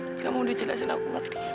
iya iya kamu udah jelasin aku ngerti